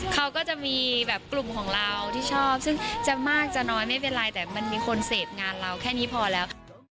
เขาก็จะมีแบบกลุ่มของเราที่ชอบซึ่งจะมากจะน้อยไม่เป็นไรแต่มันมีคนเสพงานเราแค่นี้พอแล้ว